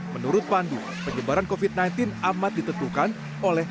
menurut pandu penyebaran covid sembilan belas amat ditentukan oleh